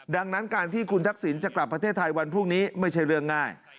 ดังนั้นการที่คุณทักษิณจะกลับประเทศไทยวันพรุ่งนี้ไม่ใช่เรื่องง่าย